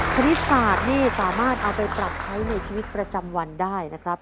ชนิดฝากนี่สามารถเอาไปปรับใช้ในชีวิตประจำวันได้นะครับ